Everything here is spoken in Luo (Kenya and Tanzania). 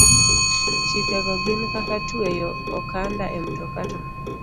Chike go gin kaka tweyo okanda e mtoka to